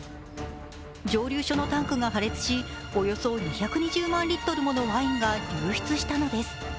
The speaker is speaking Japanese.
蒸留所のタンクが破裂し、およそ２２０万リットルものワインが流出したのです。